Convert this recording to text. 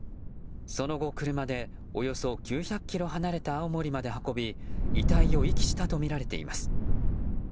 その後、車でおよそ９００ｋｍ離れた青森に運び遺体を遺棄したとみられています。